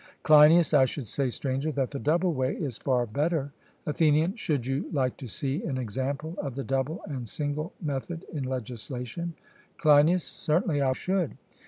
CLEINIAS: I should say, Stranger, that the double way is far better. ATHENIAN: Should you like to see an example of the double and single method in legislation? CLEINIAS: Certainly I should.